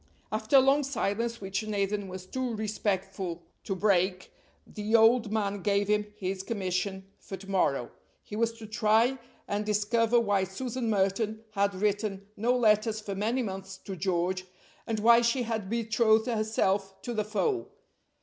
After a long silence, which Nathan was too respectful to break, the old man gave him his commission for to morrow. He was to try and discover why Susan Merton had written no letters for many months to George; and why she had betrothed herself to the foe.